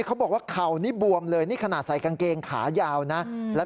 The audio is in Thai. เขาบอกว่าเข่านี่บวมเลยนี่ขนาดใส่กางเกงขายาวนะ